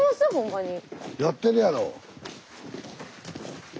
やってるやろ。